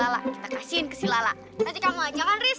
aduh siapa yang udah bikin gue kelapang